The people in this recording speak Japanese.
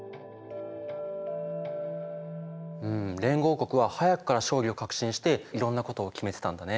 連合国は早くから勝利を確信していろんなことを決めてたんだね。